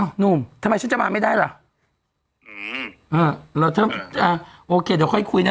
อ้าวนุ่มทำไมฉันจะมาไม่ได้หรออืมอ่าโอเคเดี๋ยวค่อยคุยนะ